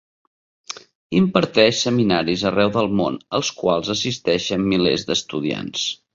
Imparteix seminaris arreu del món als quals assisteixen milers d'estudiants.